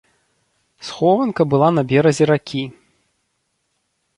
Схованка была на беразе ракі.